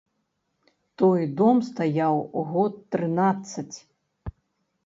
Той дом стаяў год трынаццаць.